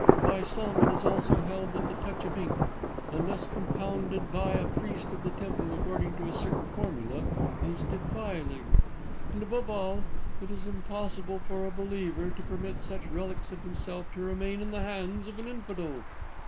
By some, it is also held that the touch of ink, unless compounded by a priest of the temple according to a certain formula, is defiling; and, above all, it is impossible for a believer to permit such relics of himself to remain in the hands of an infidel."